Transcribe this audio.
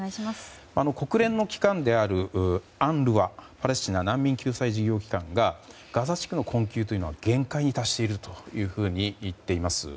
国連の機関であるＵＮＲＷＡ・パレスチナ難民救済事業機関がガザ地区の困窮は限界に達していると言っています。